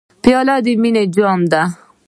پیاله د مینې جام ده.